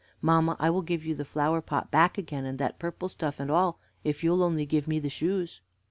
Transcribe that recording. Mamma, I will give you the flower pot back again, and that purple stuff and all, if you'll only give me the shoes."